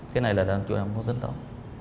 cái này là chủ động có tính toán